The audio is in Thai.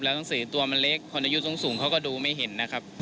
หนังสือตัวมันเล็กคนอายุสูงเขาก็ดูไม่เห็นนะครับ